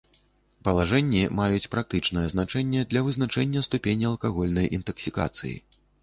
Палажэнні маюць практычнае значэнне для вызначэння ступені алкагольнай інтаксікацыі.